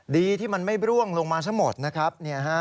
ดีที่มันไม่ร่วงลงมาซะหมดนะครับ